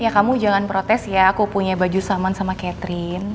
ya kamu jangan protes ya aku punya baju saman sama catherine